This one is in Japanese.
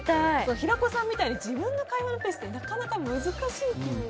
平子さんみたいに自分の会話のペースってなかなか難しいですよね。